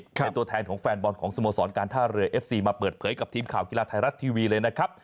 เป็นตัวแทนของแฟนบอลของสโมสรการท่าเรือเอฟซีมาเปิดเผยกับทีมข่าวกีฬาไทยรัฐทีวีเลยนะครับ